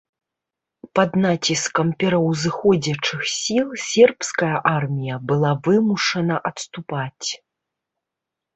Пад націскам пераўзыходзячых сіл сербская армія была вымушана адступаць.